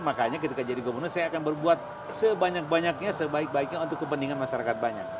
makanya ketika jadi gubernur saya akan berbuat sebanyak banyaknya sebaik baiknya untuk kepentingan masyarakat banyak